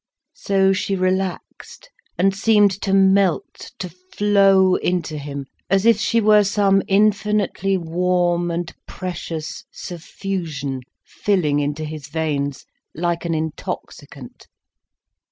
So she relaxed, and seemed to melt, to flow into him, as if she were some infinitely warm and precious suffusion filling into his veins, like an intoxicant.